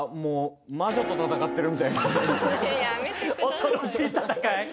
恐ろしい戦い。